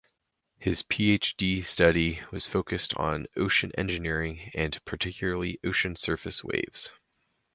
His PhD study was focused on Ocean Engineering and particularly ocean surface waves.